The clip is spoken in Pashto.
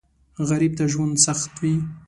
غریب ته ژوند سخت وي